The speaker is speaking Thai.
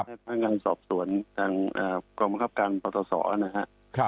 ทางพนักงานสอบสวนทางกรมครับการปรตสอนะฮะ